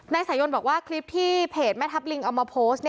สายยนบอกว่าคลิปที่เพจแม่ทัพลิงเอามาโพสต์